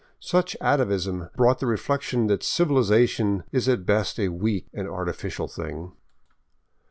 Such atavism brought the reflection that civilization is at best a weak and artificial thing.